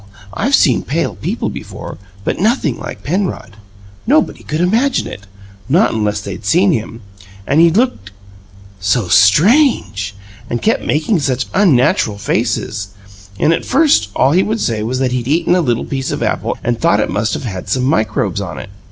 I've seen pale people before, but nothing like Penrod. Nobody could IMAGINE it not unless they'd seen him! And he looked, so STRANGE, and kept making such unnatural faces, and at first all he would say was that he'd eaten a little piece of apple and thought it must have some microbes on it.